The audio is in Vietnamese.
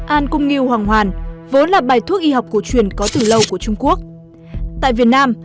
an cung niêu hoàng hoàn vốn là bài thuốc y học cổ truyền có từ lâu của trung quốc tại việt nam